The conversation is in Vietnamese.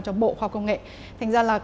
cho bộ khoa công nghệ thành ra là